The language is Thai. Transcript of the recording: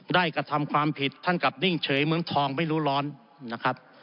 กระทำความผิดท่านกลับนิ่งเฉยเมืองทองไม่รู้ร้อนนะครับ